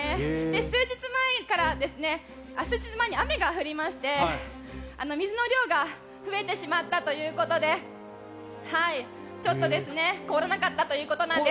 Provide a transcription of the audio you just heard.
数日前に雨が降りまして水の量が増えてしまったということでちょっと凍らなかったということなんです。